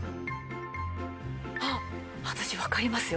あっ私わかりますよ。